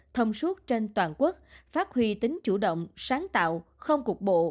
thông suốt trên toàn quốc phát huy tính chủ động sáng tạo không cục bộ